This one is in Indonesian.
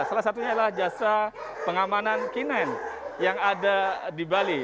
salah satunya adalah jasa pengamanan k sembilan yang ada di bali